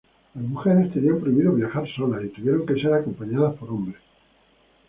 Las mujeres tenían prohibido viajar solas y tuvieron que ser acompañadas por hombres.